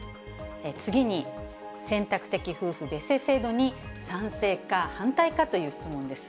次に、選択的夫婦別姓制度に賛成か反対かという質問です。